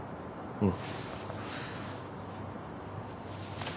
うん。